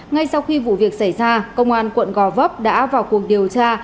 ngay sau khi vụ việc xảy ra công an quận gò vấp đã vào cuộc điều tra